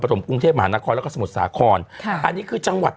ถมกรุงเทพมหานครแล้วก็สมุทรสาครค่ะอันนี้คือจังหวัด